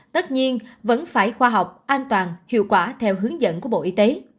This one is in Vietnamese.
tất nhiên vẫn phải khoa học an toàn hiệu quả theo hướng dẫn của bộ y tế